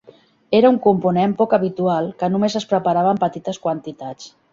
Era un component poc habitual que només es preparava en petites quantitats.